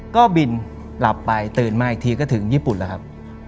ก็บินหลับไปตื่นมาอีกทีก็ถึงญี่ปุ่นแล้วครับ